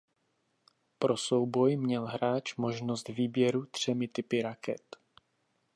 Pro souboj měl hráč možnost výběru třemi typy raket.